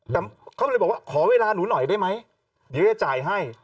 แต่เขาเลยบอกว่าขอเวลาหนูหน่อยได้ไหมเดี๋ยวจะจ่ายให้